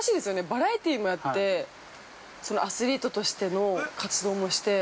バラエティもやって、アスリートとしての活動もして。